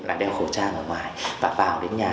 là đeo khẩu trang ở ngoài và vào đến nhà